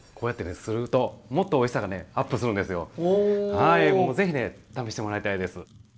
はいもうぜひね試してもらいたいです。